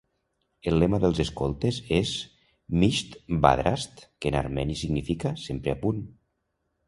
El lema dels escoltes és "Misht Badrast", que en armeni significa "Sempre a punt".